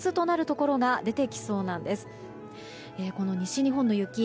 この西日本の雪